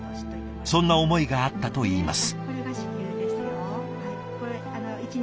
そんな思いがあったといいます。